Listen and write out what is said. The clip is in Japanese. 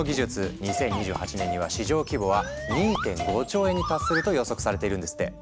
２０２８年には市場規模は２．５兆円に達すると予測されているんですって。